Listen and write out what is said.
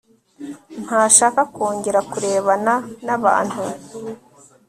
ntashaka kongera kurebana nabantu